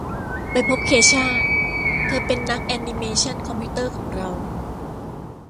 ไปพบเคช่า เธอเป็นนักแอนนิเมชั่นคอมพิวเตอร์ของเรา